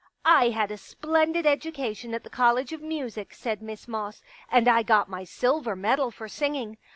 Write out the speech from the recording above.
" I had a splendid education at the College of Music," said Miss Moss, " and I got my silver medal for singing.